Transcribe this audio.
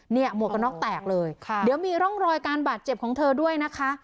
หมวกกันน็อกแตกเลยค่ะเดี๋ยวมีร่องรอยการบาดเจ็บของเธอด้วยนะคะ